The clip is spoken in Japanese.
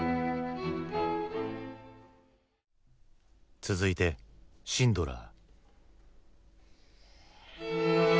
続いてシンドラー。